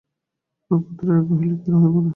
নক্ষত্ররায় কহিলেন, কেন হইবে না?